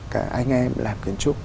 cả anh em làm kiến trúc